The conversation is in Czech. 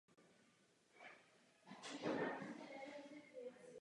Mapa dále obsahuje jako další samostatnou zemi i Mongolsko.